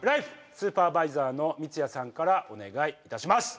スーパーバイザーの三津谷さんからお願いいたします！